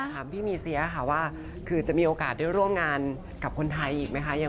ถามพี่มีเสียค่ะว่าคือจะมีโอกาสได้ร่วมงานกับคนไทยอีกไหมคะ